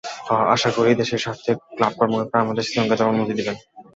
আশা করি, দেশের স্বার্থে ক্লাব কর্মকর্তারা আমাদের শ্রীলঙ্কা যাওয়ার অনুমতি দেবেন।